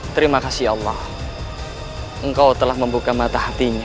terima kasih allah engkau telah membuka mata hatinya